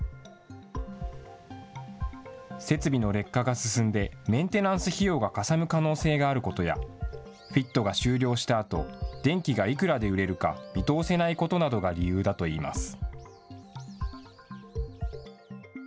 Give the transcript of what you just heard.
設備の劣化が進んで、メンテナンス費用がかさむ可能性があることや、ＦＩＴが終了したあと、電気がいくらで売れるか見通せないことなどが理由だといいます。